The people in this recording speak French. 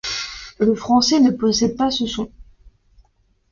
Le français ne possède pas ce son.